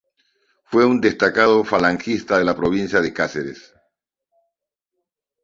Fue un destacado falangista de la provincia de Cáceres.